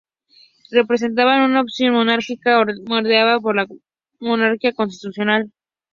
Representaba una opción monárquica moderada por la monarquía constitucional.